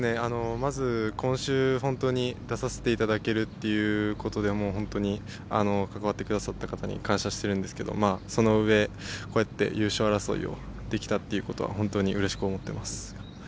まず、今週本当に出させていただけるっていうことで本当に関わってくださった方に感謝してるんですけどそのうえ、こうやって優勝争いをできたということは本当にうれしく思っています。